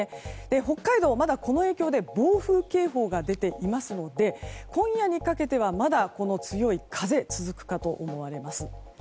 北海道は、まだこの影響で暴風警報が出ていますので今夜にかけてはまだ強い風が続くかと思われます。